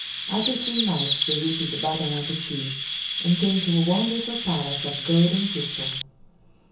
After three nights they reached the bottom of the sea, and came to a wonderful palace of gold and crystal.